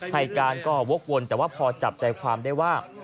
ให้การก็วกวนแต่ว่าพอจับใจความได้ว่า